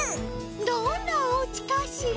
どんなおうちかしら？